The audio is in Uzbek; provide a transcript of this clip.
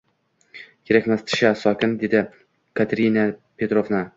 Kerakmas, Tisha! – sokin dedi Katerina Petrovna.